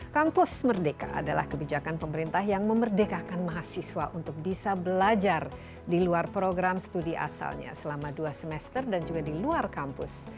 kampus merdeka adalah kebijakan pemerintah yang memerdekakan mahasiswa untuk bisa belajar di luar program studi asalnya selama dua semester dan juga di luar kampus